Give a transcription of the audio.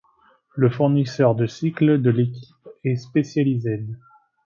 Le fournisseur de cycles de l'équipe est Specialized.